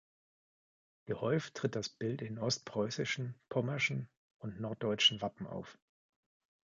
Gehäuft tritt das Bild in ostpreußischen, pommerschen und norddeutschen Wappen auf.